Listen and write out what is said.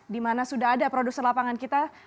di mana sudah ada produser lapangan kita